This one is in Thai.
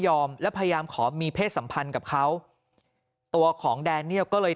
และพยายามขอมีเพศสัมพันธ์กับเขาตัวของแดเนียลก็เลย